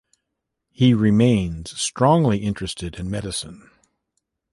He remains strongly interested in medicine.